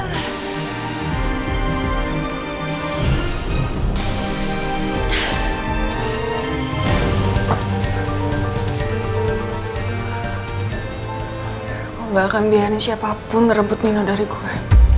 aku gak akan biarin siapapun merebut nino dari gue